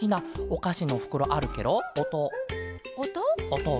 おと。